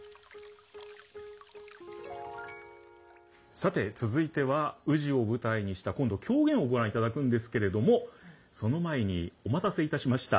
さて続いては宇治を舞台にした今度狂言をご覧いただくんですけれどもその前にお待たせいたしました。